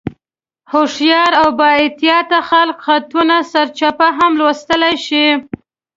هوښیار او بااحتیاطه خلک خطونه سرچپه هم لوستلی شي.